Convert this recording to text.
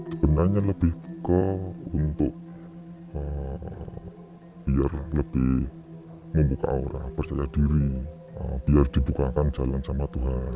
kebenangan lebih ke untuk biar lebih membuka allah percaya diri biar dibukakan jalan sama tuhan